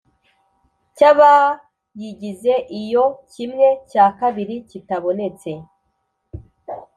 Cy abayigize iyo kimwe cya kabiri kitabonetse